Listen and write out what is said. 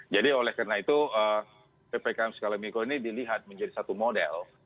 jadi oleh karena itu ppkm skala mikro ini dilihat menjadi satu model